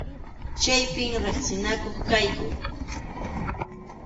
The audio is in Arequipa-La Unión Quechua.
Chaypim riqsinakuq kayku.